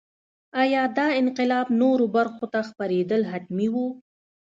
ایا دا انقلاب نورو برخو ته خپرېدل حتمي وو.